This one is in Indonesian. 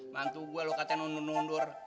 mantu gue lo katanya undur undur